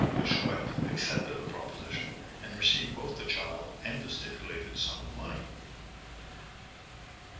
"The Chouette accepted the proposition, and received both the child and the stipulated sum of money.